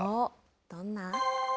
どんな？